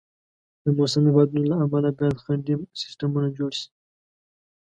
د موسمي بادونو له امله باید خنډي سیستمونه جوړ شي.